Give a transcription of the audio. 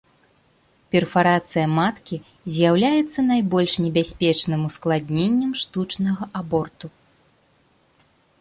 Перфарацыя маткі з'яўляецца найбольш небяспечным ускладненнем штучнага аборту.